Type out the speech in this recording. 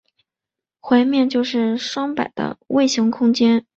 环面就是双摆的位形空间。